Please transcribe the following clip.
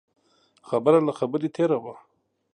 خبره له خبرې تېره وه.